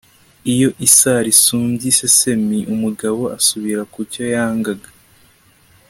iyo isari isumbye iseseme, umugabo asubira ku cyo yangaga